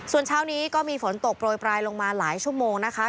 ส่วนเช้านี้ก็มีฝนตกโปรยปลายลงมาหลายชั่วโมงนะคะ